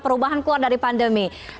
perubahan keluar dari pandemi